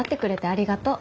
ありがとう。